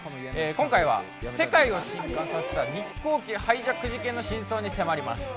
今回は世界を震撼させた日航機ハイジャック事件の真相に迫ります。